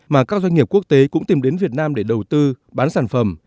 mà các doanh nghiệp quốc tế cũng tìm đến việt nam để đầu tư bán sản phẩm